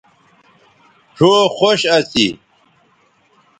ڙھؤ خوش اسی